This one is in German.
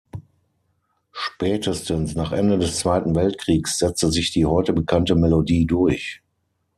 Spätestens nach Ende des Zweiten Weltkriegs setzte sich die heute bekannte Melodie durch.